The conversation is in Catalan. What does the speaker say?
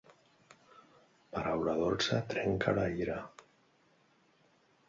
Paraula dolça trenca la ira.